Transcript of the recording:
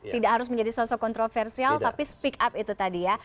tidak harus menjadi sosok kontroversial tapi speak up itu tadi ya